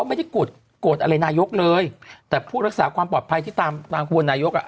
ไม่ได้โกรธโกรธอะไรนายกเลยแต่ผู้รักษาความปลอดภัยที่ตามนางควรนายกอ่ะ